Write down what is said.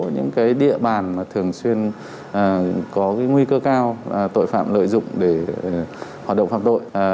những cái địa bàn mà thường xuyên có nguy cơ cao tội phạm lợi dụng để hoạt động phạm tội